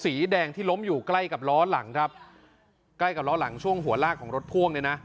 สีแดงที่ล้มอยู่ใกล้กับล้อหลังส่วนหัวลากของรถพ่วง